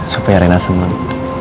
supaya reina seneng